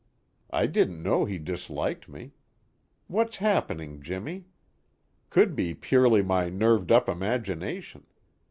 I didn't know he disliked me. What's happening, Jimmy? Could be purely my nerved up imagination.